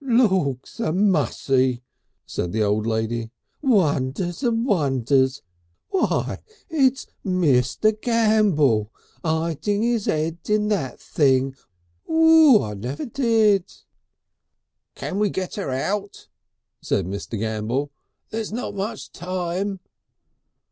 "Lawks a mussy!" said the old lady. "Wonders and Wonders! Why! it's Mr. Gambell! 'Iding 'is 'ed in that thing! I never did!" "Can we get her out?" said Mr. Gambell. "There's not much time."